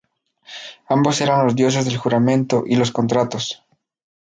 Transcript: Ambos eran los dioses del juramento y los contratos.